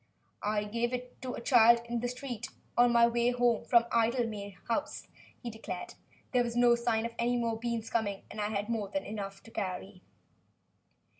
"I gave it to a child in the street, on my way home from Idlemay House," he declared. "There was no sign of any more beans coming and I had more than enough to carry."